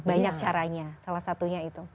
banyak caranya salah satunya